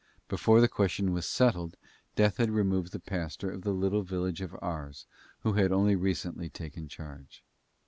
Before the question was settled, death had removed the pastor of the little village of Ars who had only recently taken charge.